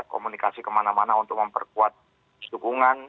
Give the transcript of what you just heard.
komunikasi kemana mana untuk memperkuat dukungan